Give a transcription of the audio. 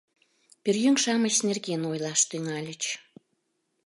Пӧръеҥ-шамыч нерген ойлаш тӱҥальыч.